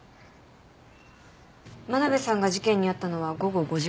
真鍋さんが事件に遭ったのは午後５時ごろ。